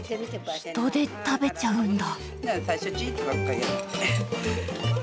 ヒトデ食べちゃうんだ？